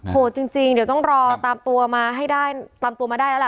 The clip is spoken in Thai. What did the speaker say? โหดจริงเดี๋ยวกลับตามตัวมาได้แล้วล่ะ